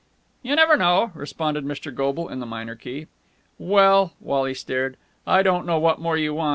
"You never know," responded Mr. Goble in the minor key. "Well!" Wally stared. "I don't know what more you want.